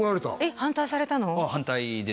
反対されたの？